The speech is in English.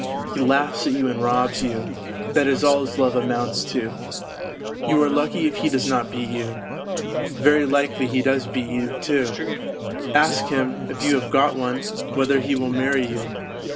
He laughs at you and robs you that is all his love amounts to ! You .are lucky if he does not beat you. Very likely he does beat you, too. Ask him, if you have got one, whether he will marry you.